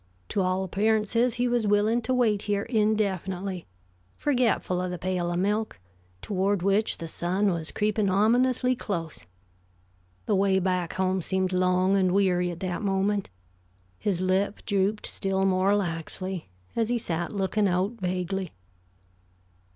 To all appearances, he was willing to wait here indefinitely, forgetful of the pail of milk, toward which the sun was creeping ominously close. The way back home seemed long and weary at that moment. His lip drooped still more laxly, as he sat looking out vaguely.